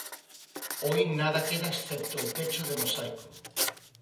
Hoy nada queda excepto el techo de mosaico.